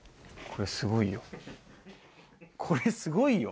これ、すごいよ。